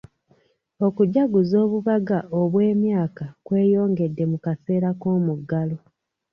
Okujaguza obubaga obw'emyaka kweyongedde mu kaseera k'omuggalo.